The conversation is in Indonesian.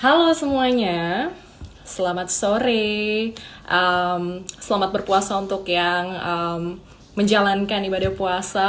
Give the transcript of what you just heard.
halo semuanya selamat sore selamat berpuasa untuk yang menjalankan ibadah puasa